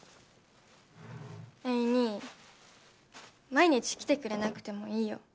英兄毎日来てくれなくてもいいよ。